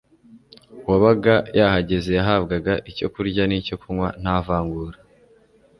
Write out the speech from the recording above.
uwabaga yahageze yahabwaga icyo kurya n'icyo kunywa nta vangura,